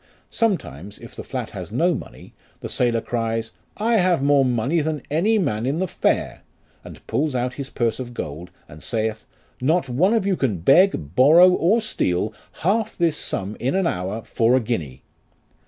Sometimes, if the flat has no money, the sailor cries, I have more money than any man in the fair, and pulls out his purse of gold, and saith, Not one of you can beg, borrow, or steal half this sum in an hour for a guinea.